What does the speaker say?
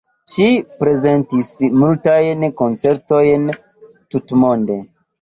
Ŝi prezentis multajn koncertojn tutmonde.